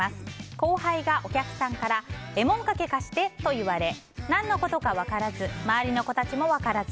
後輩がお客さんからえもんかけ貸してと言われ何のことか分からず周りの子も分からず。